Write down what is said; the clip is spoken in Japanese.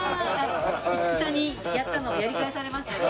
五木さんにやったのをやり返されました今。